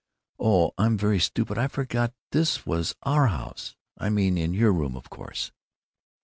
Oh, I am very stupid; I forgot this was our house; I mean in your room, of course."